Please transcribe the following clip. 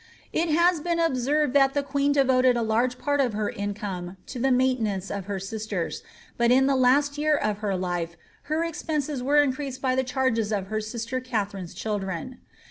It has been observed that the queen devoted a large part of her income to the maintenance of her sisters, but in the last year of her life her expenses were increased by the charges of her sister Katharine's chOdren.